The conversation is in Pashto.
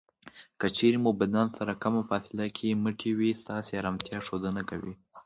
که چېرې مو بدن سره کمه فاصله کې مټې وي ستاسې ارامتیا ښودنه کوي.